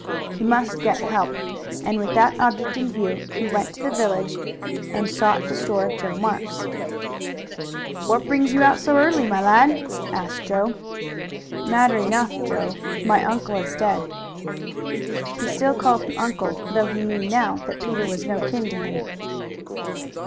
He must get help, and with that object in view he went to the village, and sought the store of Joe Marks. "What brings you out so early, my lad?" asked Joe. "Matter enough, Joe. My uncle is dead." He still called him uncle, though he knew now that Peter was no kin to him.